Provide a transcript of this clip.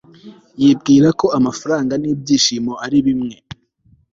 yibwira ko amafaranga nibyishimo ari bimwe